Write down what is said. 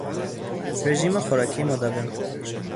رژیم خوراکی مداوم